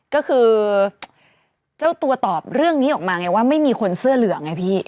ก็คือเจ้าตัวตอบเรื่องนี้ออกมาไงว่าไม่มีคนเสื้อเหลืองไงพี่